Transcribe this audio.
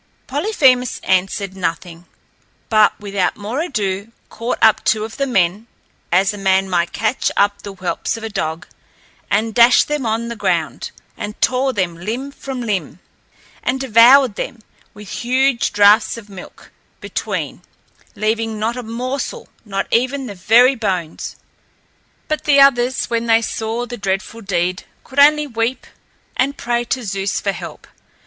Polyphemus answered nothing, but without more ado caught up two of the men, as a man might catch up the whelps of a dog, and dashed them on the ground, and tore them limb from limb and devoured them, with huge draughts of milk between, leaving not a morsel, not even the very bones. But the others, when they saw the dreadful deed, could only weep and pray to Zeus for help.